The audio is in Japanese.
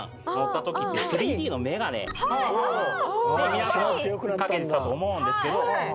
皆さん掛けてたと思うんですけど。